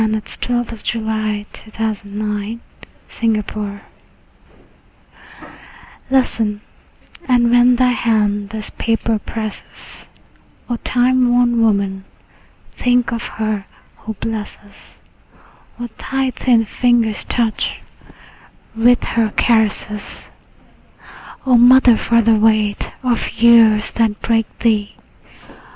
Y Z A Letter from a Girl to Her Own Old Age LISTEN, and when thy hand this paper presses, O time worn woman, think of her who blesses What thy thin fingers touch, with her caresses. O mother, for the weight of years that break thee!